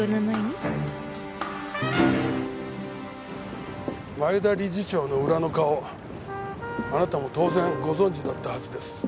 前田理事長の裏の顔あなたも当然ご存じだったはずです。